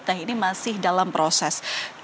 teh ini masih dalam proses